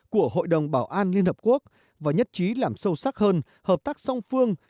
của hội đồng bảo an liên hợp quốc và nhất trí làm sâu sắc hơn hợp tác song phương